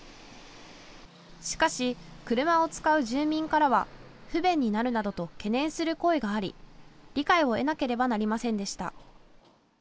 しかし車を使う住民からは不便になるなどと懸念する声があり、理解を得なければなりませんでした。